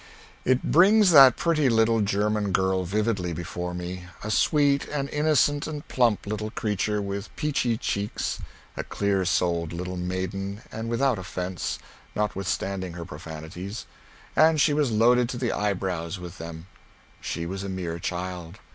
It brings that pretty little German girl vividly before me a sweet and innocent and plump little creature with peachy cheeks; a clear souled little maiden and without offence, notwithstanding her profanities, and she was loaded to the eyebrows with them. She was a mere child.